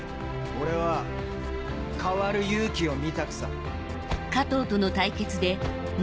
俺は変わる勇気を見たくさ。